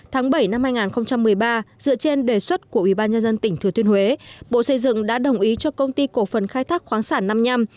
tháng bảy năm hai nghìn một mươi ba dựa trên đề xuất của ubnd tỉnh thừa tuyên huế bộ xây dựng đã đồng ý cho công ty cổ phần khai thác khoáng sản năm nham